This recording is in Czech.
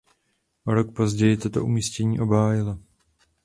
O rok později toto umístění obhájila.